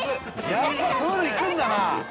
やっぱプール行くんだな。